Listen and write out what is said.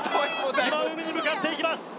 今海に向かっていきます